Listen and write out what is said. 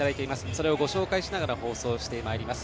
それをご紹介しながら放送してまいります。